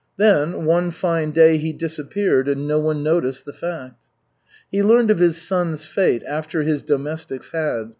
Then, one fine day he disappeared, and no one noticed the fact. He learned of his son's fate after his domestics had.